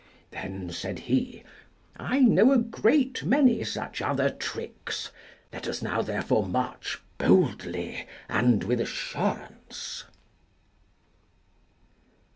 Then said he, I know a great many such other tricks; let us now therefore march boldly and with assurance.